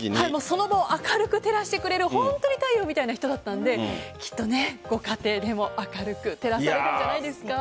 その場を明るく照らしてくれる本当に太陽みたいな人だったのできっとご家庭でも、明るく照らされるんじゃないですか。